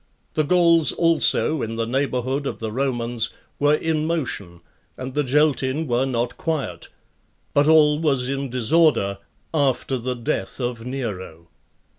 The Gauls also, in the neighborhood of the Romans, were in motion, and the Geltin were not quiet; but all was in disorder after the death of Nero.